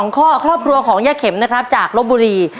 ข้อครอบครัวของย่าเข็มนะครับจากลบบุรี